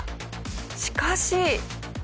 しかし。